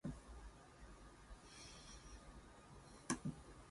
The unincorporated community of Pennington is located also in the town.